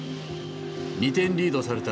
２点リードされた